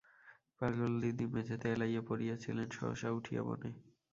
পাগলদিদি মেঝেতে এলাইয়া পড়িয়া ছিলেন, সহসা উঠিয়া বনে।